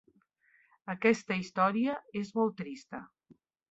Aquesta història és molt trista.